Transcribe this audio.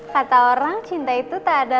kata orang cinta itu tak ada